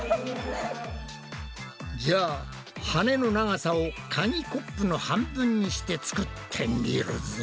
じゃあ羽の長さを紙コップの半分にして作ってみるぞ。